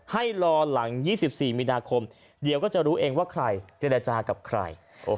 ให้รอหลัง๒๔มีนาคมเดี๋ยวก็จะรู้เองว่าใครเจรจากับใคร